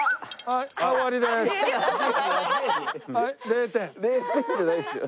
０点じゃないですよ。